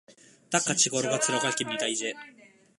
딱 같이 걸어가 들어갈 깁니다, 이제